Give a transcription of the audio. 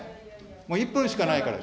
もう１分しかないから。